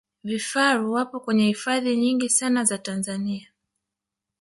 vifaru wapo kwenye hifadhi nyingi sana za tanzania